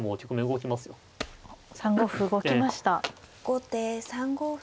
後手３五歩。